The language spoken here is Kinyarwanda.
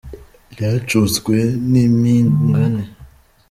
Ryacuzwe n’impingane.